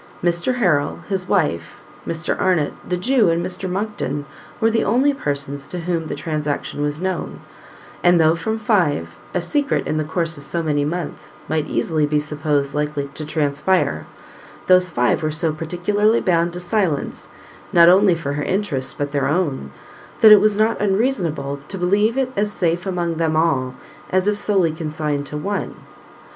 Mr Harrel, his wife, Mr Arnott, the Jew and Mr Monckton, were the only persons to whom the transaction was known; and though from five, a secret, in the course of so many months, might easily be supposed likely to transpire, those five were so particularly bound to silence, not only for her interest but their own, that it was not unreasonable to believe it as safe among them all, as if solely consigned to one.